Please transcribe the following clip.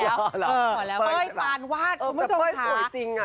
เป้ยปานวาดคุณผู้ชมค่ะ